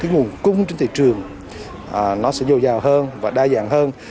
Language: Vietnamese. nguồn cung trên thị trường nó sẽ dầu dào hơn và đa dạng hơn